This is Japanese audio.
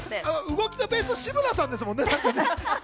動きのベースが志村さんですもんね。